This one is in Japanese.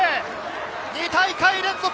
２大会連続！